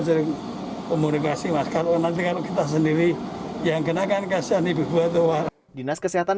masker nanti kalau kita sendiri yang kenakan kasihan ibu ibu atau warna dinas kesehatan